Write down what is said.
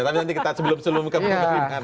tapi nanti kita sebelum sebelumnya